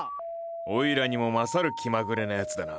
おいらにも勝る気まぐれなやつだな。